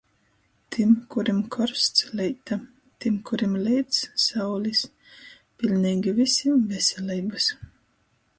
Tim, kurim korsts - leita, tim, kurim leits - saulis... piļneigi vysim - veseleibys!!!